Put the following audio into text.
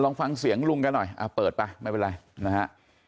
ลองฟังเสียงลุงกันหน่อยเปิดไปไม่เป็นไรนะฮะ